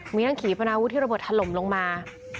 มีทั้งขี่ปนาวุธที่ระเบิดถล่มลงมา